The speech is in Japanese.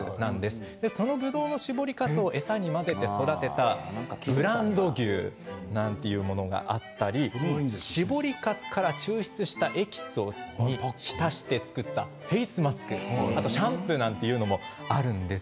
このぶどうの搾りかすを餌に混ぜて育てたブランド牛なんていうものがあったり搾りかすから抽出したエキスを浸して作ったフェイスマスクシャンプーなんていうものもあります。